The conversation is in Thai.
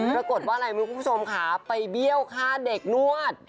ปรากฏว่าอะไรรู้คุณผู้ชมค่ะไปเบี้ยวฆ่าเด็กนวด